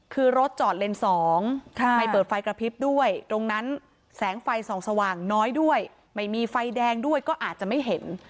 คือรถจอดเลนส์๒ไม่เปิดไฟกระพริบด้วยตรงนั้นแสงไฟส่องสว่างน้อยด้วยไม่มีไฟแดงด้วยก็อาจจะไม่เห็น